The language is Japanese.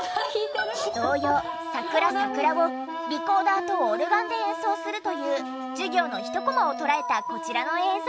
童謡『さくらさくら』をリコーダーとオルガンで演奏するという授業の１コマを捉えたこちらの映像。